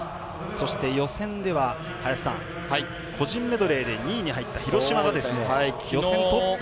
そして予選では個人メドレーで２位に入った廣島が、予選トップ。